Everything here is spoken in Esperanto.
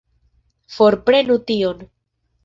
Forprenu tion!